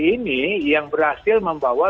ini yang berhasil membawa